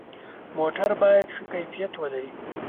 موټر باید ښه کیفیت ولري.